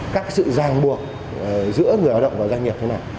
các sự giang buộc giữa người hoạt động và doanh nghiệp thế nào